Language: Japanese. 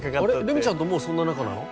留美ちゃんともうそんな仲なの？